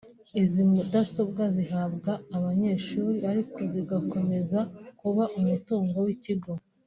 Izi mu dasobwa zihabwa abanyeshuri ariko zigakomeza kuba umutungo w’ikigo